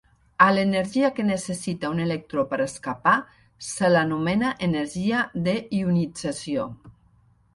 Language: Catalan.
A l'energia que necessita un electró per escapar se l'anomena energia de ionització.